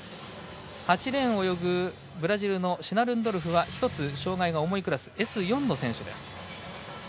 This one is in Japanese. ８レーンを泳ぐブラジルのシナルンドルフは１つ障がいが重いクラスＳ４の選手です。